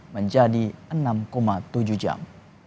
menjadi enam tujuh jam